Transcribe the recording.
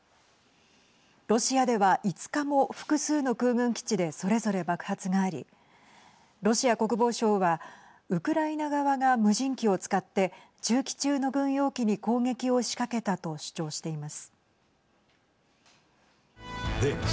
ロシアでは５日も複数の空軍基地でそれぞれ爆発がありロシア国防省はウクライナ側が無人機を使って駐機中の軍用機に攻撃を仕掛けたと主張しています。